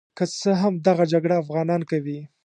که څه هم دغه جګړه افغانان کوي.